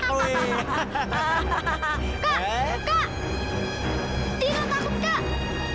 tidur takut kak